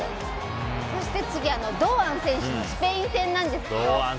そして次は堂安選手のスペイン戦なんですけど。